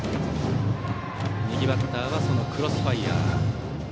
右バッターはクロスファイアー。